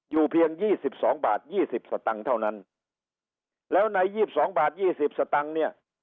เพียงยี่สิบสองบาทยี่สิบสตังค์เท่านั้นแล้วใน๒๒บาท๒๐สตังค์เนี่ย